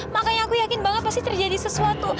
makanya aku yakin banget pasti terjadi sesuatu